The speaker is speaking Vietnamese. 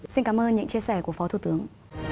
xin cảm ơn những chia sẻ của phó thủ tướng